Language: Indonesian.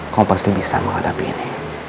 kau pasti bisa menghadapi ini